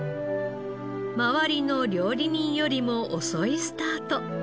周りの料理人よりも遅いスタート。